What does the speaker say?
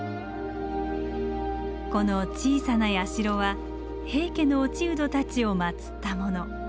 この小さな社は平家の落人たちをまつったもの。